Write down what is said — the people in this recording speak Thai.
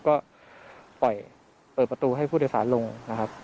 ก็ปล่อยเปิดประตูให้ผู้โดยสารลงนะครับ